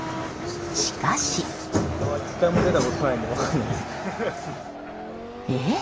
しかし。えっ？